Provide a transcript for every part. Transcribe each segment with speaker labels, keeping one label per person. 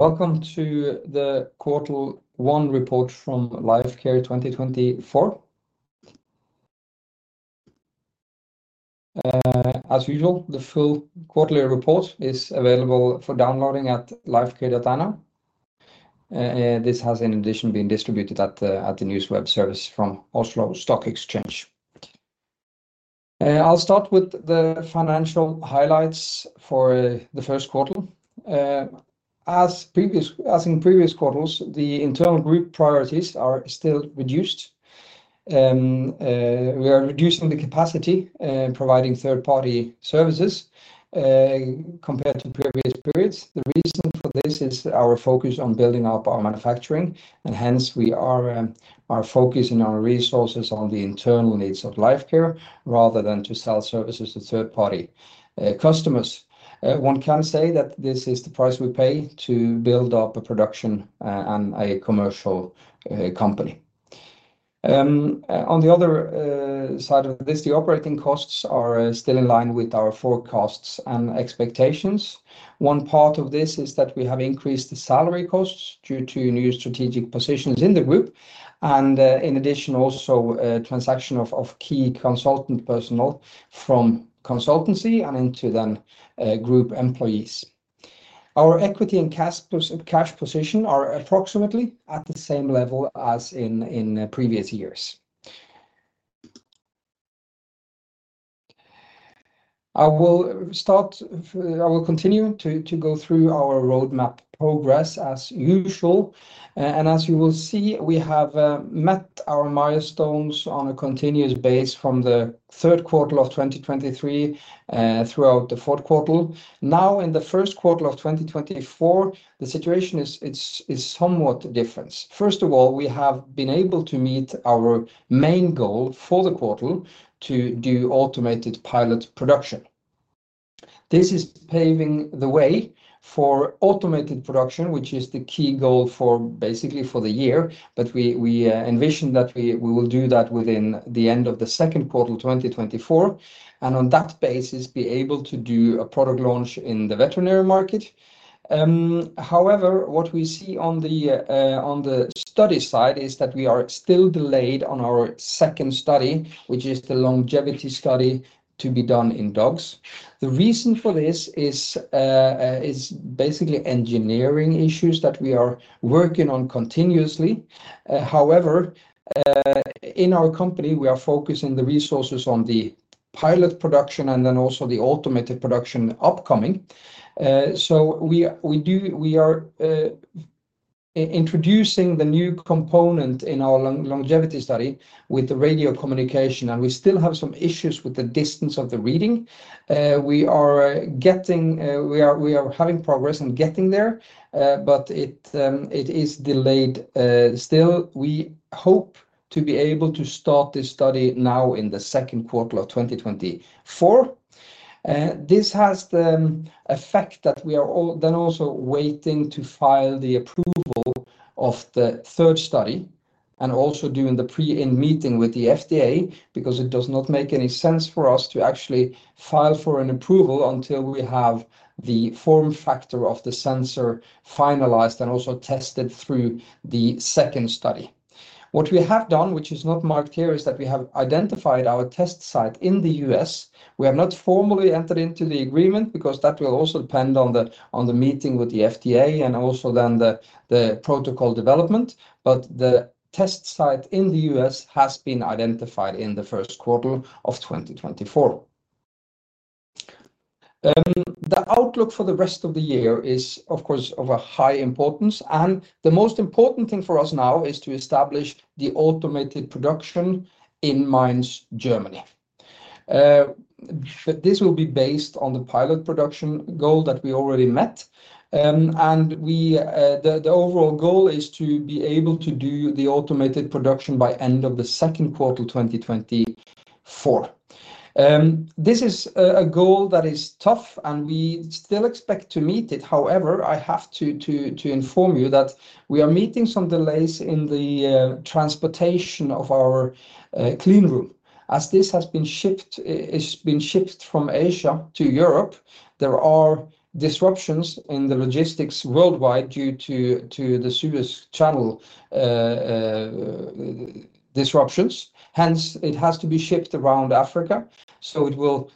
Speaker 1: Welcome to the quarter one report from Lifecare 2024. As usual, the full quarterly report is available for downloading at lifecare.no. This has in addition been distributed at the news web service from Oslo Stock Exchange. I'll start with the financial highlights for the first quarter. As in previous quarters, the internal group priorities are still reduced. We are reducing the capacity, providing third-party services, compared to previous periods. The reason for this is our focus on building up our manufacturing, and hence we are, our focus and our resources on the internal needs of Lifecare rather than to sell services to third-party, customers. One can say that this is the price we pay to build up a production, and a commercial, company. On the other, side of this, the operating costs are, still in line with our forecasts and expectations. One part of this is that we have increased the salary costs due to new strategic positions in the group, and in addition also, transition of key consultant personnel from consultancy and into the group employees. Our equity and cash position are approximately at the same level as in previous years. I will continue to go through our roadmap progress as usual. As you will see, we have met our milestones on a continuous basis from the third quarter of 2023 throughout the fourth quarter. Now, in the first quarter of 2024, the situation is somewhat different. First of all, we have been able to meet our main goal for the quarter to do automated pilot production. This is paving the way for automated production, which is the key goal for basically the year, but we envision that we will do that within the end of the second quarter of 2024, and on that basis, be able to do a product launch in the veterinary market. However, what we see on the study side is that we are still delayed on our second study, which is the longevity study to be done in dogs. The reason for this is basically engineering issues that we are working on continuously. However, in our company, we are focusing the resources on the pilot production and then also the automated production upcoming. So we are introducing the new component in our longevity study with the radio communication, and we still have some issues with the distance of the reading. We are getting progress in getting there, but it is delayed still. We hope to be able to start this study now in the second quarter of 2024. This has the effect that we are all then also waiting to file the approval of the third study and also doing the pre-IND meeting with the FDA because it does not make any sense for us to actually file for an approval until we have the form factor of the sensor finalized and also tested through the second study. What we have done, which is not marked here, is that we have identified our test site in the U.S. We have not formally entered into the agreement because that will also depend on the meeting with the FDA and also then the protocol development, but the test site in the U.S. has been identified in the first quarter of 2024. The outlook for the rest of the year is, of course, of high importance, and the most important thing for us now is to establish the automated production in Mainz, Germany. But this will be based on the pilot production goal that we already met. And the overall goal is to be able to do the automated production by end of the second quarter of 2024. This is a goal that is tough, and we still expect to meet it. However, I have to inform you that we are meeting some delays in the transportation of our clean room. As this has been shipped, it has been shipped from Asia to Europe, there are disruptions in the logistics worldwide due to the Suez Canal disruptions. Hence, it has to be shipped around Africa, so it will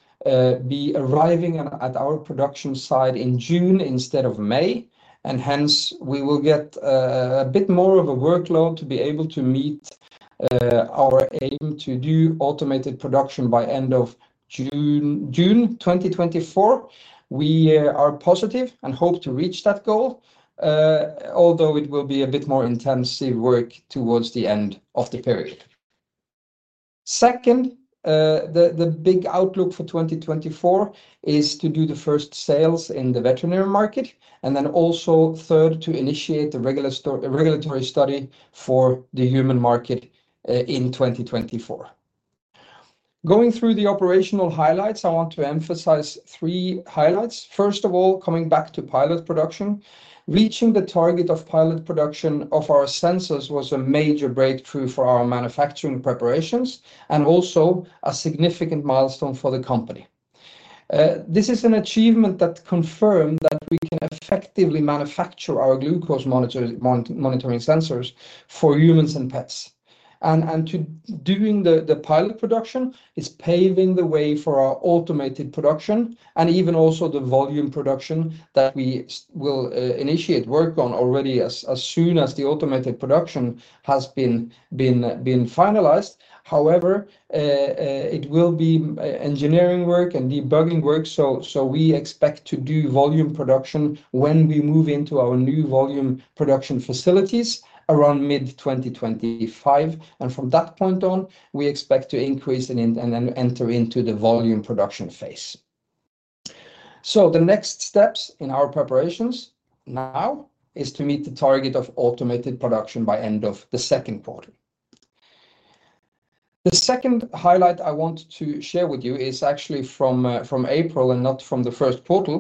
Speaker 1: be arriving at our production site in June instead of May, and hence we will get a bit more of a workload to be able to meet our aim to do automated production by end of June, June 2024. We are positive and hope to reach that goal, although it will be a bit more intensive work towards the end of the period. Second, the big outlook for 2024 is to do the first sales in the veterinary market, and then also third to initiate the regular to regulatory study for the human market, in 2024. Going through the operational highlights, I want to emphasize three highlights. First of all, coming back to pilot production, reaching the target of pilot production of our sensors was a major breakthrough for our manufacturing preparations and also a significant milestone for the company. This is an achievement that confirmed that we can effectively manufacture our glucose monitoring sensors for humans and pets. And doing the pilot production is paving the way for our automated production and even also the volume production that we will initiate work on already as soon as the automated production has been finalized. However, it will be engineering work and debugging work, so we expect to do volume production when we move into our new volume production facilities around mid-2025, and from that point on, we expect to increase and then enter into the volume production phase. So the next steps in our preparations now is to meet the target of automated production by end of the second quarter. The second highlight I want to share with you is actually from April and not from the first quarter.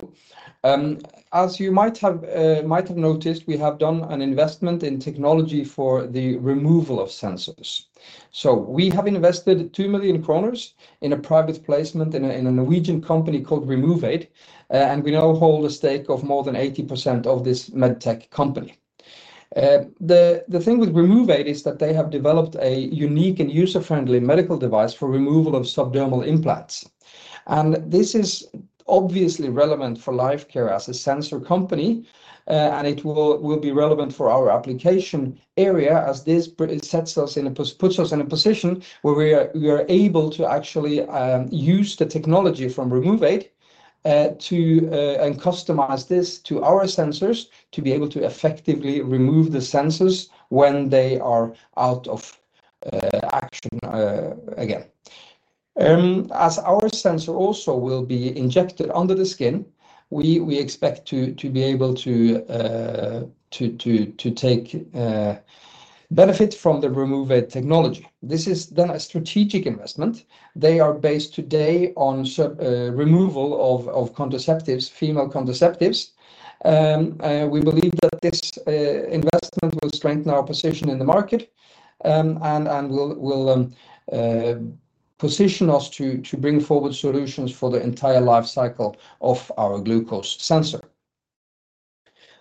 Speaker 1: As you might have noticed, we have done an investment in technology for the removal of sensors. So we have invested 2 million kroner in a private placement in a Norwegian company called RemovAid, and we now hold a stake of more than 80% of this medtech company. The thing with RemovAid is that they have developed a unique and user-friendly medical device for removal of subdermal implants, and this is obviously relevant for Lifecare as a sensor company, and it will be relevant for our application area as this puts us in a position where we are able to actually use the technology from RemovAid to and customize this to our sensors to be able to effectively remove the sensors when they are out of action again. As our sensor also will be injected under the skin, we expect to take benefit from the RemovAid technology. This is then a strategic investment. They are based today on removal of female contraceptives. We believe that this investment will strengthen our position in the market, and will position us to bring forward solutions for the entire life cycle of our glucose sensor.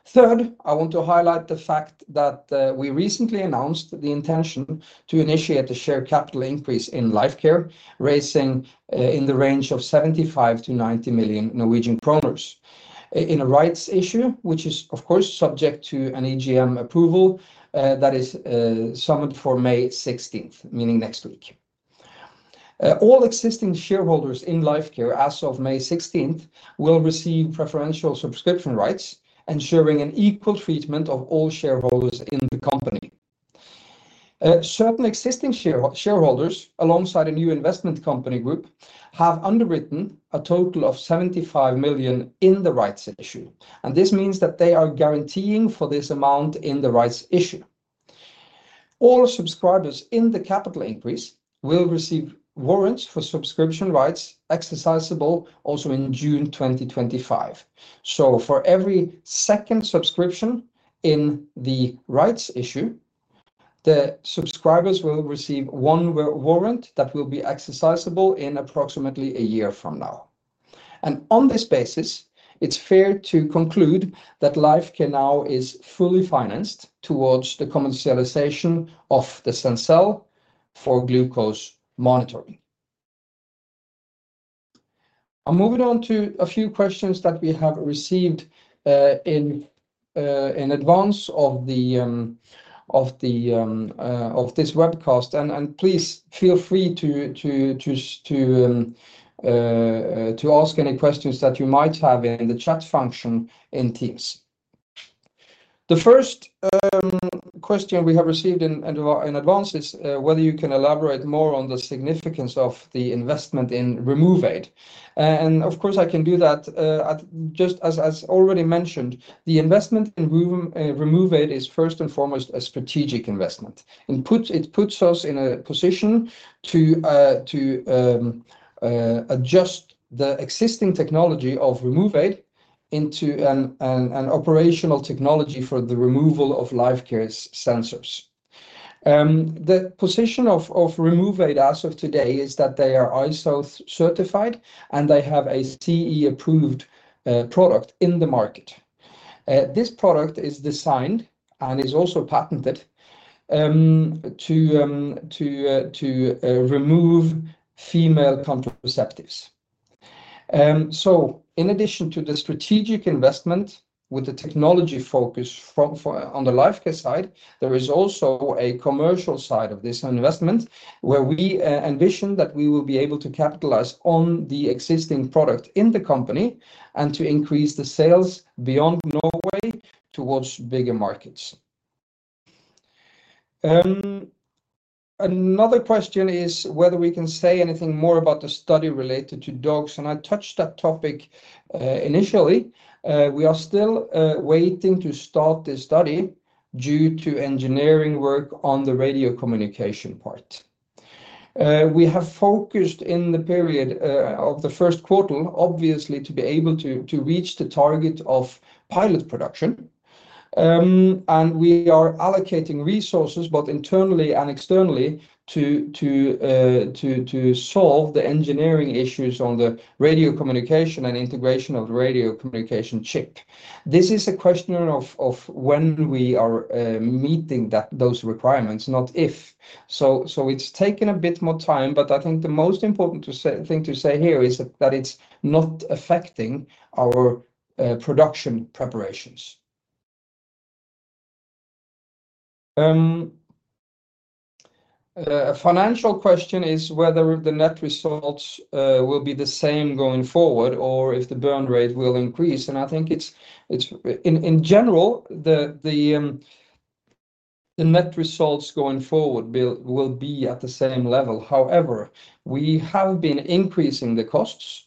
Speaker 1: Third, I want to highlight the fact that we recently announced the intention to initiate a share capital increase in Lifecare, raising 75 million-90 million Norwegian kroner in a rights issue, which is, of course, subject to an EGM approval that is summoned for May 16th, meaning next week. All existing shareholders in Lifecare as of May 16th will receive preferential subscription rights, ensuring an equal treatment of all shareholders in the company. Certain existing shareholders alongside a new investment company group have underwritten a total of 75 million in the rights issue, and this means that they are guaranteeing for this amount in the rights issue. All subscribers in the capital increase will receive warrants for subscription rights exercisable also in June 2025. So for every second subscription in the rights issue, the subscribers will receive one warrant that will be exercisable in approximately a year from now. And on this basis, it's fair to conclude that Lifecare now is fully financed towards the commercialization of the Sencell for glucose monitoring. I'm moving on to a few questions that we have received in advance of this webcast, and please feel free to ask any questions that you might have in the chat function in Teams. The first question we have received in advance is whether you can elaborate more on the significance of the investment in RemovAid. And of course I can do that. Just as, as already mentioned, the investment in RemovAid is first and foremost a strategic investment. It puts us in a position to adjust the existing technology of RemovAid into an operational technology for the removal of Lifecare's sensors. The position of RemovAid as of today is that they are ISO certified and they have a CE-approved product in the market. This product is designed and is also patented to remove female contraceptives. So in addition to the strategic investment with the technology focus for the Lifecare side, there is also a commercial side of this investment where we envision that we will be able to capitalize on the existing product in the company and to increase the sales beyond Norway towards bigger markets. Another question is whether we can say anything more about the study related to dogs, and I touched that topic initially. We are still waiting to start this study due to engineering work on the radio communication part. We have focused in the period of the first quarter, obviously, to be able to reach the target of pilot production. And we are allocating resources both internally and externally to solve the engineering issues on the radio communication and integration of the radio communication chip. This is a question of when we are meeting those requirements, not if. So it's taken a bit more time, but I think the most important thing to say here is that it's not affecting our production preparations. A financial question is whether the net results will be the same going forward or if the burn rate will increase. And I think it's in general the net results going forward will be at the same level. However, we have been increasing the costs,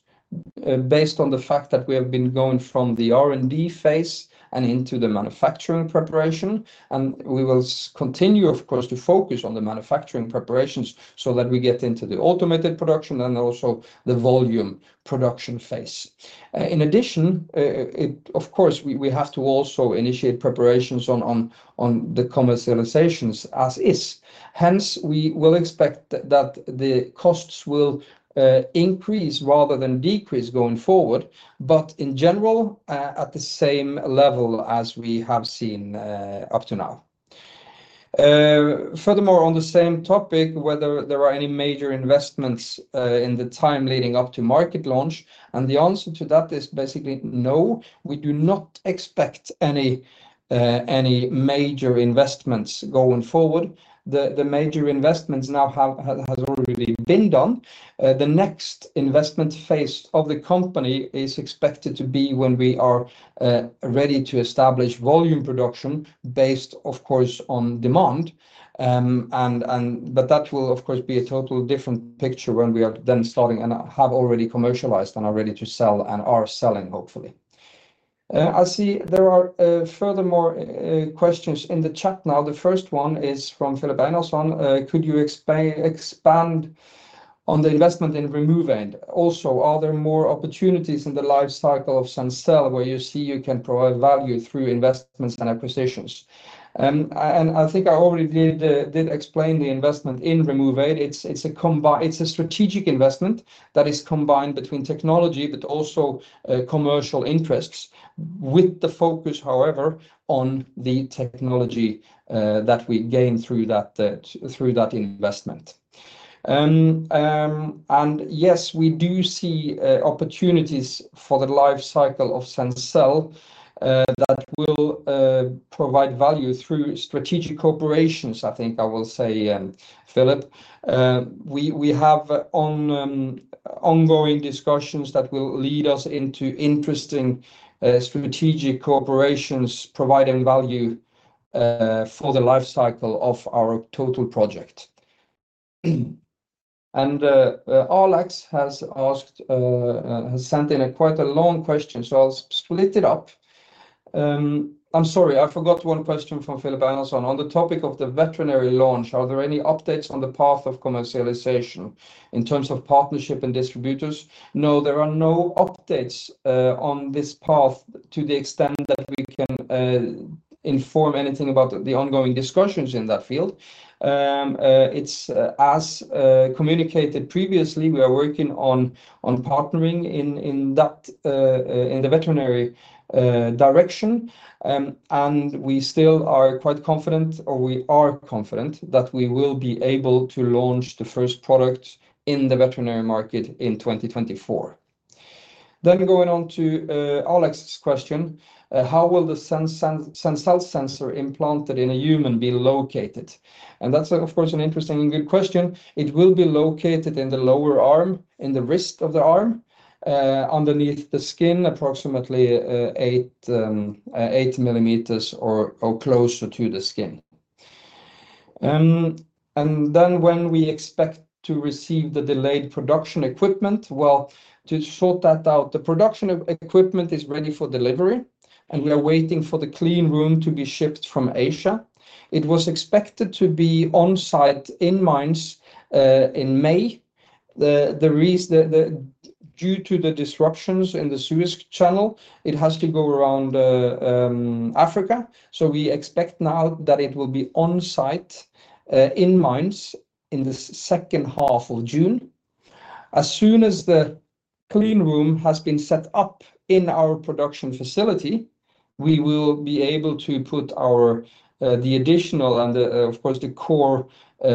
Speaker 1: based on the fact that we have been going from the R&D phase and into the manufacturing preparation, and we will continue, of course, to focus on the manufacturing preparations so that we get into the automated production and also the volume production phase. In addition, of course, we have to also initiate preparations on the commercializations as is. Hence, we will expect that the costs will increase rather than decrease going forward, but in general, at the same level as we have seen up to now. Furthermore, on the same topic, whether there are any major investments in the time leading up to market launch, and the answer to that is basically no. We do not expect any major investments going forward. The major investments now have already been done. The next investment phase of the company is expected to be when we are ready to establish volume production based, of course, on demand. But that will, of course, be a totally different picture when we are then starting and have already commercialized and are ready to sell and are selling, hopefully. I see there are, furthermore, questions in the chat now. The first one is from Filip Einarsson. Could you expand on the investment in RemovAid? Also, are there more opportunities in the life cycle of Sencell where you see you can provide value through investments and acquisitions? I think I already did, did explain the investment in RemovAid. It's, it's a combined it's a strategic investment that is combined between technology but also, commercial interests with the focus, however, on the technology, that we gain through that, through that investment. Yes, we do see opportunities for the life cycle of Sencell, that will provide value through strategic cooperations. I think I will say, Philipp, we, we have on, ongoing discussions that will lead us into interesting, strategic cooperations providing value, for the life cycle of our total project. Arlax has asked, has sent in a quite a long question, so I'll split it up. I'm sorry, I forgot one question from Filip Einarsson. On the topic of the veterinary launch, are there any updates on the path of commercialization in terms of partnership and distributors? No, there are no updates on this path to the extent that we can inform anything about the ongoing discussions in that field. It's, as communicated previously, we are working on partnering in the veterinary direction. And we still are quite confident, or we are confident, that we will be able to launch the first product in the veterinary market in 2024. Then going on to Arlax's question, how will the Sencell sensor implanted in a human be located? And that's, of course, an interesting and good question. It will be located in the lower arm, in the wrist of the arm, underneath the skin, approximately 8 millimeters or closer to the skin. and then when we expect to receive the delayed production equipment, well, to sort that out, the production equipment is ready for delivery, and we are waiting for the clean room to be shipped from Asia. It was expected to be on site in Mainz, in May. The reason due to the disruptions in the Suez Canal, it has to go around Africa. So we expect now that it will be on site in Mainz in the second half of June. As soon as the clean room has been set up in our production facility, we will be able to put our the additional and the, of course, the core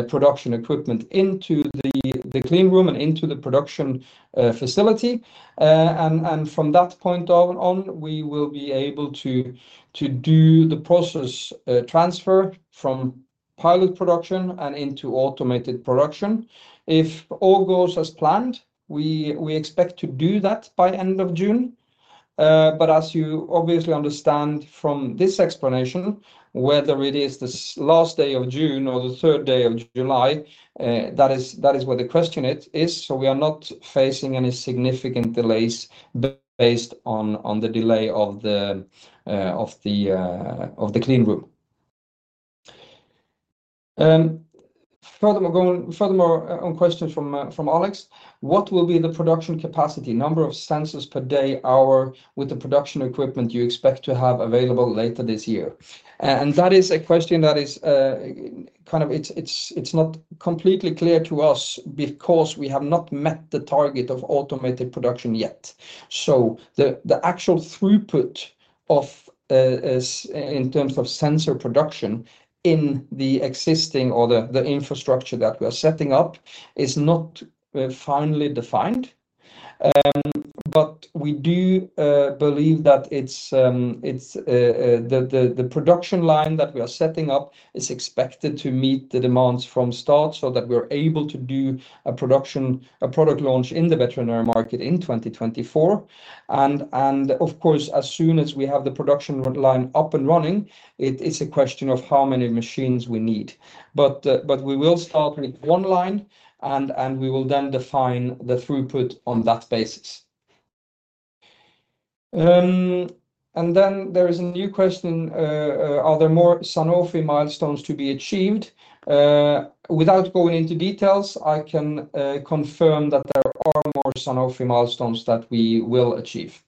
Speaker 1: production equipment into the clean room and into the production facility. And from that point on, we will be able to do the process transfer from pilot production and into automated production. If all goes as planned, we expect to do that by end of June. But as you obviously understand from this explanation, whether it is the last day of June or the third day of July, that is where the question is, so we are not facing any significant delays based on the delay of the clean room. Furthermore, going on questions from Arlax, what will be the production capacity, number of sensors per day, hour with the production equipment you expect to have available later this year? And that is a question that is kind of it's not completely clear to us because we have not met the target of automated production yet. So the actual throughput, in terms of sensor production in the existing or the infrastructure that we are setting up, is not finely defined. But we do believe that it's the production line that we are setting up is expected to meet the demands from start so that we are able to do a production, a product launch in the veterinary market in 2024. And of course, as soon as we have the production line up and running, it's a question of how many machines we need. But we will start with one line and we will then define the throughput on that basis. And then there is a new question. Are there more Sanofi milestones to be achieved? Without going into details, I can confirm that there are more Sanofi milestones that we will achieve.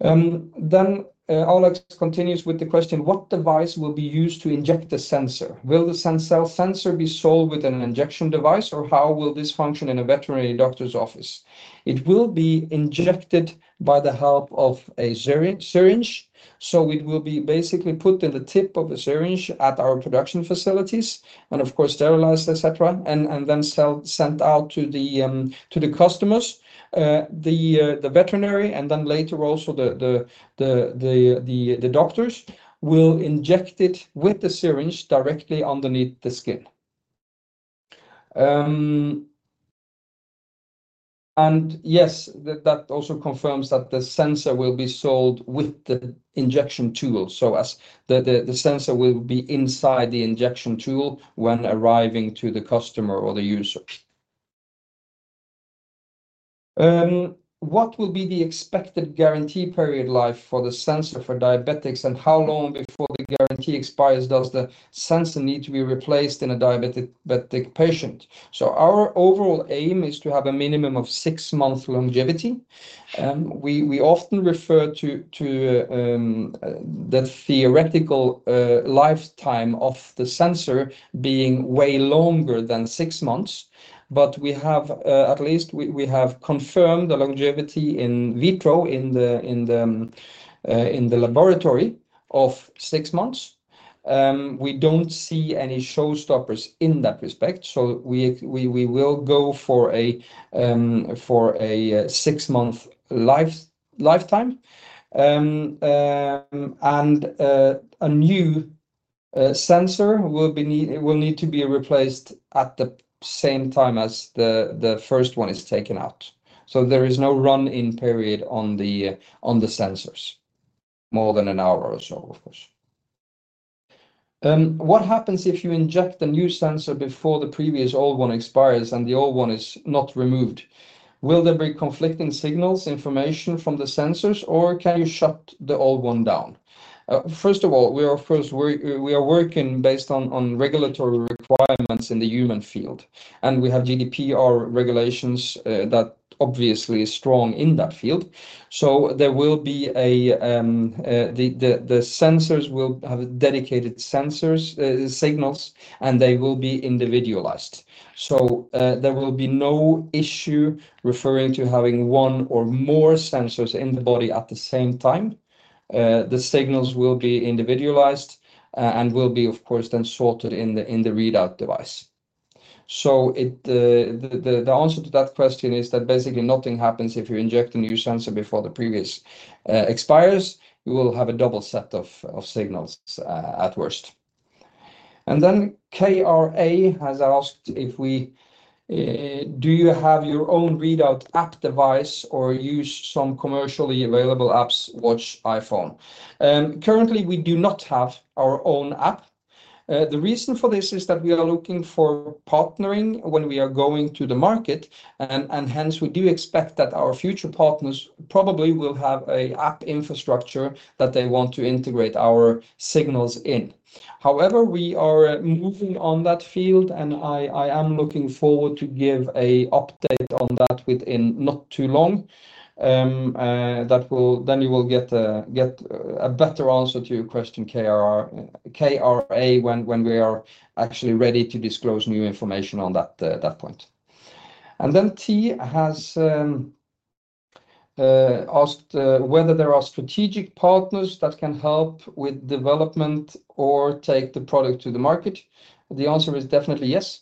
Speaker 1: Then, Arlax continues with the question, what device will be used to inject the sensor? Will the Sencell sensor be sold with an injection device or how will this function in a veterinary doctor's office? It will be injected by the help of a syringe. So it will be basically put in the tip of the syringe at our production facilities and of course sterilized, et cetera, and then sent out to the customers, the veterinary and then later also the doctors will inject it with the syringe directly underneath the skin. And yes, that also confirms that the sensor will be sold with the injection tool. So as the sensor will be inside the injection tool when arriving to the customer or the user. What will be the expected guarantee period life for the sensor for diabetics and how long before the guarantee expires does the sensor need to be replaced in a diabetic patient? So our overall aim is to have a minimum of six months longevity. We often refer to that theoretical lifetime of the sensor being way longer than six months. But we have, at least, confirmed the longevity in vitro in the laboratory of six months. We don't see any showstoppers in that respect. So we will go for a six-month lifetime. And a new sensor will need to be replaced at the same time as the first one is taken out. So there is no run-in period on the sensors more than an hour or so, of course. What happens if you inject a new sensor before the previous old one expires and the old one is not removed? Will there be conflicting signals, information from the sensors, or can you shut the old one down? First of all, we are, of course, working based on regulatory requirements in the human field, and we have GDPR regulations that obviously are strong in that field. So the sensors will have dedicated sensors, signals, and they will be individualized. So, there will be no issue referring to having one or more sensors in the body at the same time. The signals will be individualized, and will be, of course, then sorted in the readout device. So, the answer to that question is that basically nothing happens if you inject a new sensor before the previous expires. You will have a double set of signals, at worst. And then KRA has asked if we, do you have your own readout app device or use some commercially available apps, watch, iPhone? Currently we do not have our own app. The reason for this is that we are looking for partnering when we are going to the market, and hence we do expect that our future partners probably will have an app infrastructure that they want to integrate our signals in. However, we are moving on that field, and I am looking forward to give an update on that within not too long. that will then you will get a better answer to your question, KRA, when we are actually ready to disclose new information on that point. And then T has asked whether there are strategic partners that can help with development or take the product to the market. The answer is definitely yes.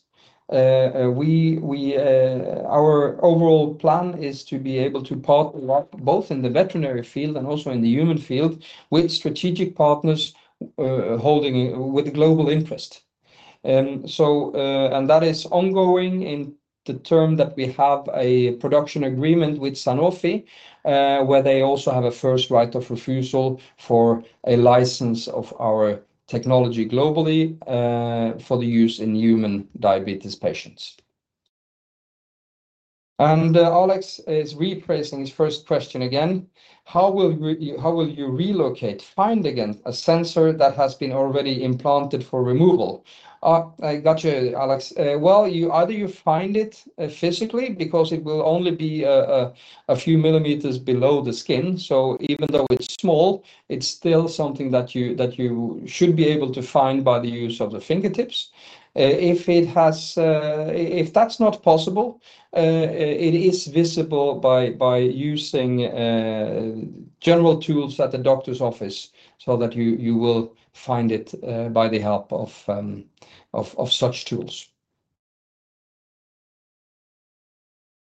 Speaker 1: We, our overall plan is to be able to partner up both in the veterinary field and also in the human field with strategic partners holding with global interest. And that is ongoing in terms that we have a production agreement with Sanofi, where they also have a first right of refusal for a license of our technology globally, for the use in human diabetes patients. And Arlax is rephrasing his first question again. How will you, how will you relocate, find again a sensor that has been already implanted for removal? I got you, Arlax. Well, you either find it physically because it will only be a few millimeters below the skin. So even though it's small, it's still something that you should be able to find by the use of the fingertips. If that's not possible, it is visible by using general tools at the doctor's office so that you will find it by the help of such tools.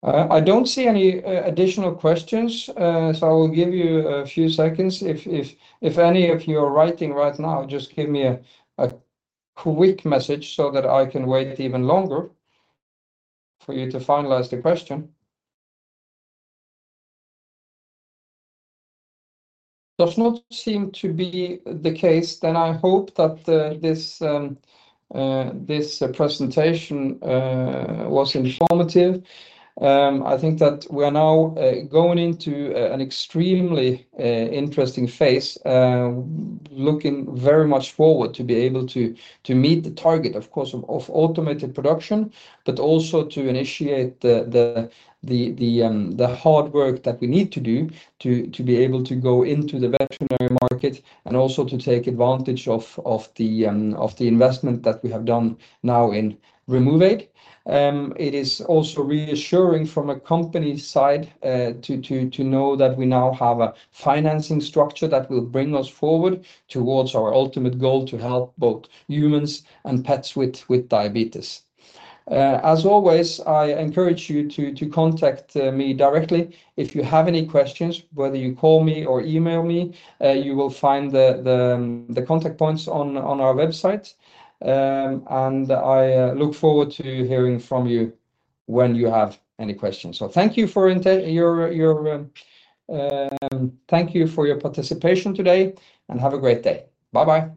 Speaker 1: I don't see any additional questions. So I will give you a few seconds. If any of you are writing right now, just give me a quick message so that I can wait even longer for you to finalize the question. Does not seem to be the case. Then I hope that this presentation was informative. I think that we are now going into an extremely interesting phase, looking very much forward to be able to meet the target, of course, of automated production, but also to initiate the hard work that we need to do to be able to go into the veterinary market and also to take advantage of the investment that we have done now in RemovAid. It is also reassuring from a company side to know that we now have a financing structure that will bring us forward towards our ultimate goal to help both humans and pets with diabetes. As always, I encourage you to contact me directly. If you have any questions, whether you call me or email me, you will find the contact points on our website. I look forward to hearing from you when you have any questions. So thank you for your participation today and have a great day. Bye bye.